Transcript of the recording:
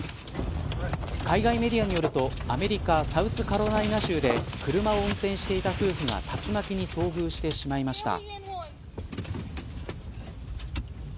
海外メディアによるとアメリカ、サウスカロライナ州で車を運転していた夫婦が竜巻に遭遇してしまいました。